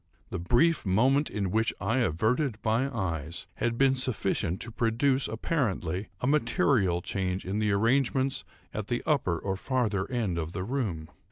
The brief moment in which I averted my eyes had been sufficient to produce, apparently, a material change in the arrangements at the upper or farther end of the room.